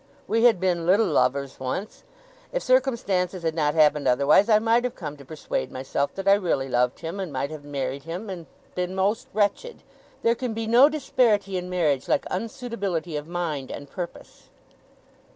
We had been little lovers once. If circumstances had not happened otherwise, I might have come to persuade myself that I really loved him, and might have married him, and been most wretched. There can be no disparity in marriage like unsuitability of mind and purpose.